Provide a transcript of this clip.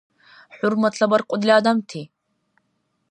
ХӀурматла баркьудила адамти!